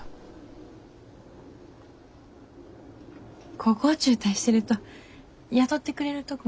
高校中退してると雇ってくれるとこも少なくて。